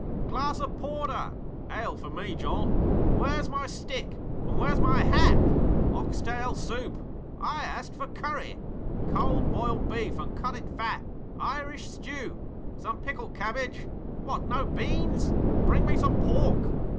'Glass of porter!' 'Ale for me, John!' 'Where's my stick?' 'And where's my hat!' 'Oxtal soup!' 'I asked for curry!' 'Cold boiled beef, and cut it fat!' 'Irish stew!' 'Some pickled cabbage!' 'What, no beans?' 'Bring me some pork!'